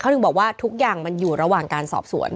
ถึงบอกว่าทุกอย่างมันอยู่ระหว่างการสอบสวน